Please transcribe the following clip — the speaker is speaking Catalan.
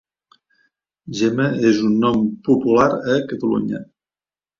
Gemma és un nom popular a Catalunya.